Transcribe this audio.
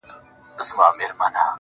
زه نو بيا څنگه مخ در واړومه,